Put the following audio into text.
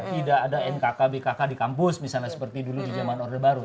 tidak ada nkk bkk di kampus misalnya seperti dulu di zaman orde baru